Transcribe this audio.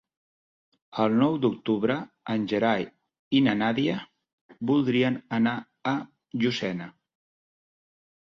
El nou d'octubre en Gerai i na Nàdia voldrien anar a Llucena.